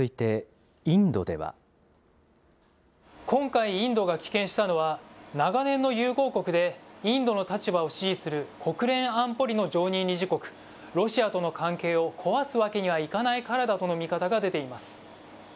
今回、インドが棄権したのは、長年の友好国で、インドの立場を支持する国連安保理の常任理事国、ロシアとの関係を壊すわけにはいかないからだとの見方が出ています。